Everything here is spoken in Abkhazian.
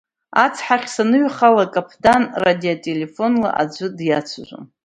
Ацҳахь саныҩхала, акаԥдан радиотелефонла аӡәы диацәажәон.